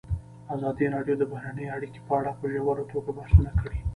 ازادي راډیو د بهرنۍ اړیکې په اړه په ژوره توګه بحثونه کړي.